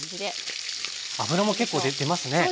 脂も結構出ますね豚バラ。